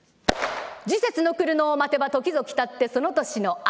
時節の来るのを待てば時ぞ来たってその年の秋。